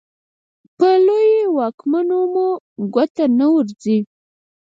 په لویو واکمنو مو ګوته نه ورځي.